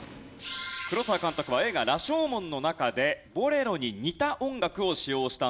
黒澤監督は映画『羅生門』の中で『ボレロ』に似た音楽を使用したんです。